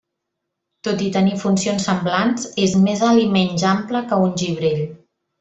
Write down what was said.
Tot i tenir funcions semblants, és més alt i menys ample que un gibrell.